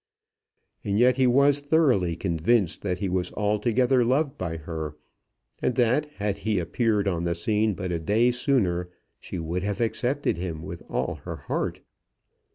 And yet he was thoroughly convinced that he was altogether loved by her, and that had he appeared on the scene but a day sooner, she would have accepted him with all her heart.